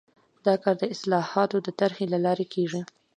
دا کار د اصلاحاتو د طرحې له لارې کیږي.